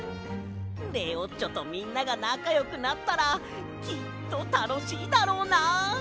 レオッチョとみんながなかよくなったらきっとたのしいだろうなあ。